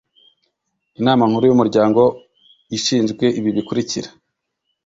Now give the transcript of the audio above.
inama nkuru y’umuryango ishinzwe ibi bikurikira